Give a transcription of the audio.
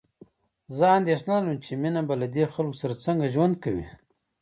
زه اندېښنه لرم چې مينه به له دې خلکو سره څنګه ژوند کوي